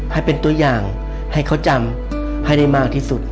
ให้เป็นตัวอย่างให้เขาจำให้ได้มากที่สุด